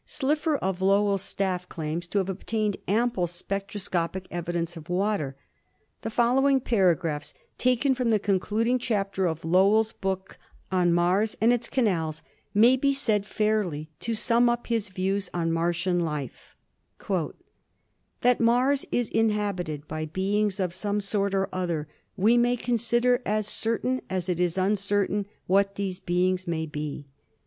Slipher of Lowell's staff claims to have obtained ample spectro scopic evidence of water. The following paragraphs, taken from the concluding chapter of Lowell's book on "Mars and Its Canals," may be said fairly to sum up his views on Martian life: "That Mars is inhabited by beings of some sort or other we may consider as certain as it is uncertain what those beings may be.